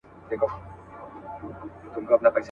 تر پښو لاندي قرار نه ورکاوه مځکي.